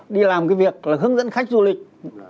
đi làm cái việc là hướng dẫn khách du lịch